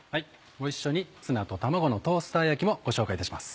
ご一緒に「ツナと卵のトースター焼き」もご紹介いたします。